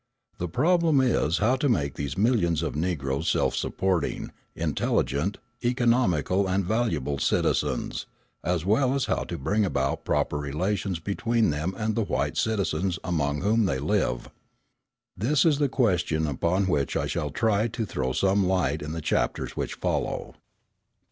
The problem is how to make these millions of Negroes self supporting, intelligent, economical and valuable citizens, as well as how to bring about proper relations between them and the white citizens among whom they live. This is the question upon which I shall try to throw some light in the chapters which follow.